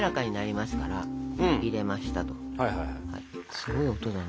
すごい音だな。